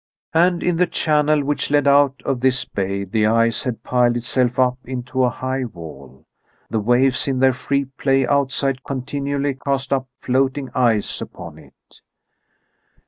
And in the channel which led out of this bay the ice had piled itself up into a high wall. The waves in their free play outside continually cast up floating ice upon it.